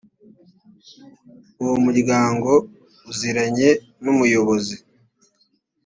uwo muryango uziranye n umuyobozi